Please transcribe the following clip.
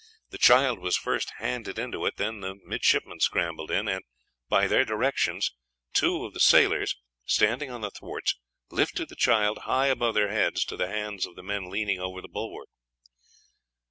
The child was first handed into it, then the midshipmen scrambled in, and, by their directions, two of the sailors, standing on the thwarts, lifted the child high above their heads to the hands of the men leaning over the bulwark.